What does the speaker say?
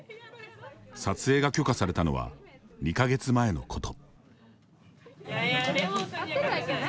撮影が許可されたのは２か月前のこと。